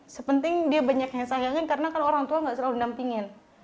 sepenting dia banyak yang sayangin karena kan orang tua gak selalu nampingin